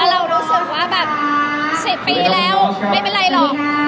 เรารู้สึกว่าแบบ๑๐ปีแล้วไม่เป็นไรหรอก